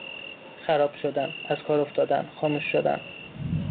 خراب شدن، از کار افتادن، خاموش شدن